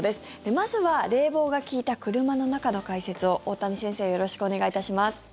まずは冷房が利いた車の中の解説を大谷先生よろしくお願いします。